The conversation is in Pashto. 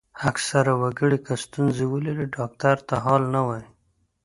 اکثره وګړي که ستونزه ولري ډاکټر ته حال نه وايي.